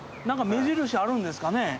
何か目印あるんですかね？